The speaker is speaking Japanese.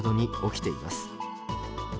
起きています。